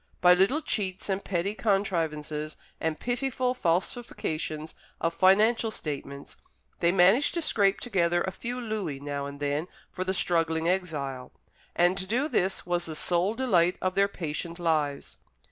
By little cheats, and petty contrivances, and pitiful falsifications of financial statements, they managed to scrape together a few louis now and then for the struggling exile; and to do this was the sole delight of their patient lives.